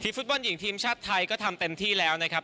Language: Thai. ฟุตบอลหญิงทีมชาติไทยก็ทำเต็มที่แล้วนะครับ